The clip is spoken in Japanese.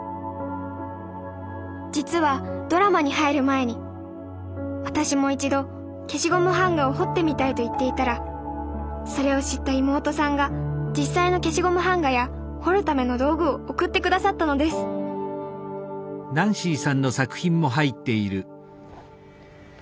実はドラマに入る前に私も一度消しゴム版画を彫ってみたいと言っていたらそれを知った妹さんが実際の消しゴム版画や彫るための道具を送ってくださったのですわあすご。